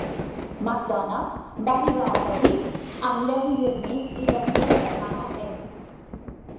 MacDonald va arribar a Petite amb Lewis Smith i la seva germana Edith.